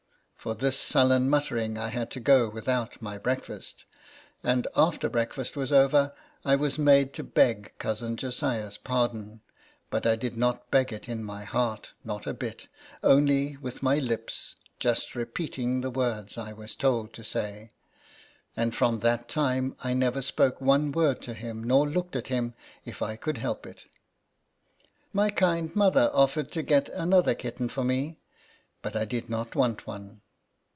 For this sullen muttering I had to go without my breakfast ; and after break fast was over, I was made to beg Cousin Josiah's pardon ; but I did not beg it in my heart not a bit only with my lips, just repeating the words I was told to say ; and from that time I never spoke one word to him, nor looked at him, if I could help it. My kind mother offered to get another 26 INTRODUCTION. kitten for me, but I did not want one.